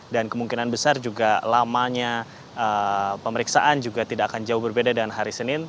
dan kemungkinan besar juga lamanya pemeriksaan juga tidak akan jauh berbeda dengan hari senin